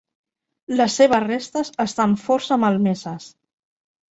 Les seves restes estan força malmeses.